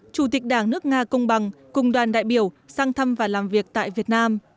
chủ tịch đảng nước nga công bằng cùng đoàn đại biểu sang thăm và làm việc tại việt nam